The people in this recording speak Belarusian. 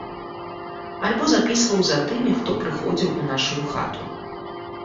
Альбо запісваў за тымі, хто прыходзіў у нашую хату.